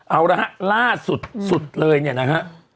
เอาละฮะล่าสุดสุดเลยเนี่ยนะฮะ